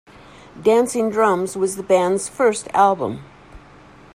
Dancing Drums was the band's first album.